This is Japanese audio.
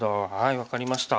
分かりました。